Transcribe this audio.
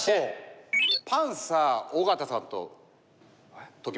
パンサー尾形さんと解きます。